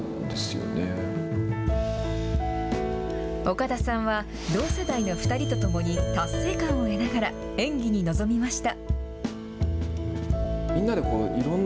岡田さんは、同世代の２人と共に達成感を得ながら、演技に臨みました。